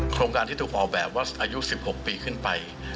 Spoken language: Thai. โครงการที่ถูกออกแบบว่าอายุ๑๖ปีขึ้นไป